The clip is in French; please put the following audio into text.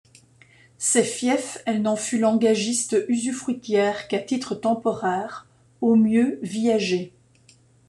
Ces fiefs, elle n'en fut l'engagiste usufruitière qu'à titre temporaire, au mieux viager.